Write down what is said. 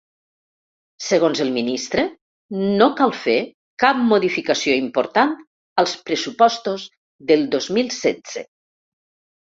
Segons el ministre, no cal fer cap “modificació important” als pressupostos del dos mil setze.